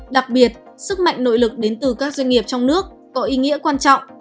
đặc biệt sức mạnh nội lực đến từ các doanh nghiệp trong nước có ý nghĩa quan trọng